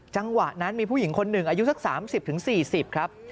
จังหวะนั้นมีผู้หญิงคนหนึ่งอายุสัก๓๐๔๐ครับ